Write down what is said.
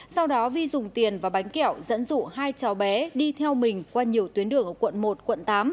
sau đó vi dùng tiền và bánh kẹo dẫn dụ hai cháu bé đi theo mình qua nhiều tuyến đường ở quận một quận tám